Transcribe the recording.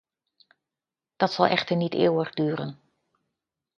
Dat zal echter niet eeuwig duren.